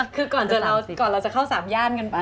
คือก่อนเราจะเข้า๓ย่านกันไป